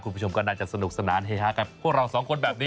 คุณผู้ชมก็น่าจะสนุกสนานเฮฮากับพวกเราสองคนแบบนี้